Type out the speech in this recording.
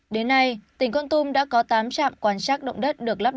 đến nay tỉnh con tum đã có tám trạm quan trắc động đất được lắp đặt